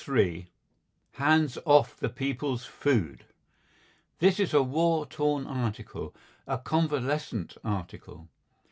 III HANDS OFF THE PEOPLE'S FOOD This is a war torn article, a convalescent article.